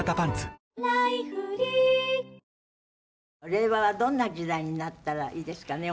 令和はどんな時代になったらいいですかね？